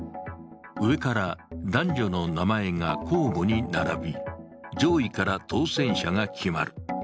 上から男女の名前が交互に並び上位から当選者が決まる。